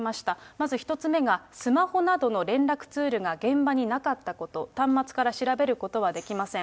まず１つ目がスマホなどの連絡ツールが現場になかったこと、端末から調べることはできません。